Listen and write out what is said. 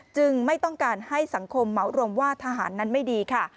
ไม่ต้องการให้สังคมเหมารวมว่าทหารนั้นไม่ดีค่ะ